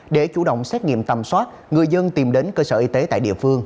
để chủ động xét nghiệm tầm soát người dân tìm đến cơ sở y tế tại địa phương